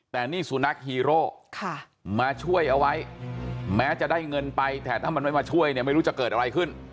แต่นี่สุนัขฮีโร่มาช่วยเอาไว้แม้จะได้เงินไปแต่ถ้ามันไม่มาช่วยเนี่ยไม่รู้จะเกิดอะไรขึ้น